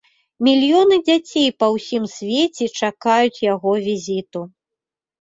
Мільёны дзяцей па ўсім свеце чакаюць яго візіту.